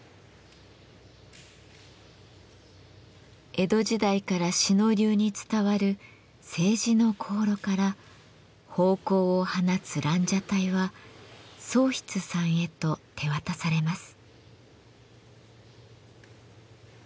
江戸時代から志野流に伝わる青磁の香炉から芳香を放つ蘭奢待は宗さんへと手渡されます。